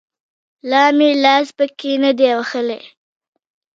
لا مې لاس پکښې نه دى وهلى.